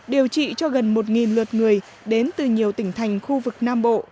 điều trị cho gần một lượt người đến từ nhiều tỉnh thành khu vực nam bộ